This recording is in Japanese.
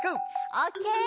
オッケー！